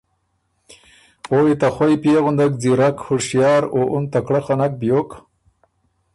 او يې ته خوئ پئے غندک ځیرک، هُشیار او اُن تکړۀ خه نک بیوک۔